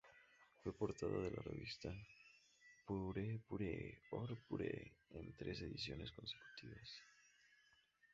Fue portada de la revista "Pure Pure" or "Pure" en tres ediciones consecutivas.